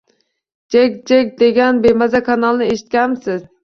Jek – Jek degan bemaza kanalni eshitganimsiz?🤦♂